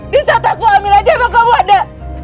disaat aku amil aja emang kamu ada